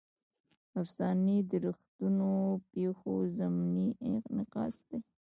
افسانې د ریښتونو پېښو ضمني انعکاس دی.